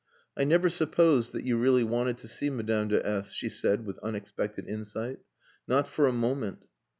"I never supposed that you really wanted to see Madame de S ," she said, with unexpected insight. "Not for a moment."